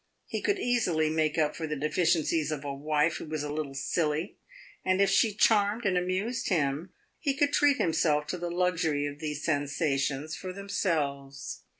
He could easily make up for the deficiencies of a wife who was a little silly, and if she charmed and amused him, he could treat himself to the luxury of these sensations for themselves.